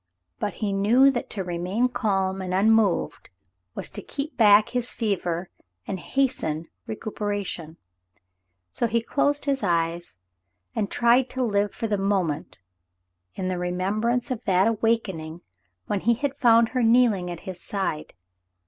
But he knew that to remain calm and unmoved was to keep back his fever and hasten recuperation, so he closed his eyes and tried to live for the moment in the remembrance of that awakening when he had found her kneeling at his side.